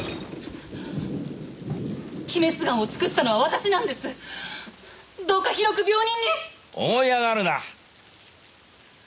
鬼滅丸を作ったのは私なんですどうか広く病人に思い上がるな！